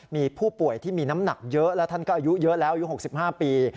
มีผู้ป่วยที่มีน้ำหนักเยอะและท่านก็อายุเยอะแล้วอายุ๖๕ปี